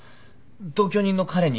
同居人の彼に？